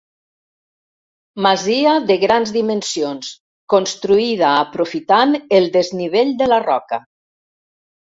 Masia de grans dimensions construïda aprofitant el desnivell de la roca.